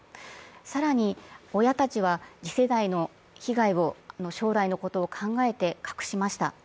更に、親たちは次世代の被害を将来のことを考えて隠しました。